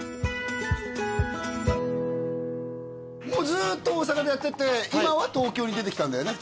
ずっと大阪でやってて今は東京に出てきたんだよね